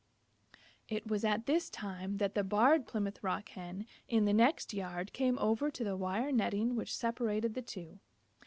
It was at this time that the Barred Plymouth Rock Hen in the next yard came over to the wire netting which separated the two.